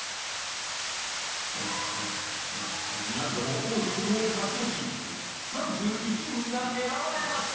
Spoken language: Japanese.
何度もオーディションを勝ち抜き３１人が選ばれました